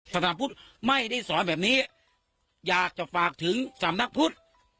สถานพุทธไม่ได้สอนแบบนี้อยากจะฝากถึงสำนักพุทธ